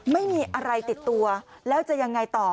ไม่มีอะไรติดตัวแล้วจะยังไงต่อ